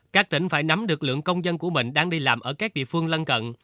các tỉnh phải nắm được lượng công dân của mình đang đi làm ở các địa phương lân cận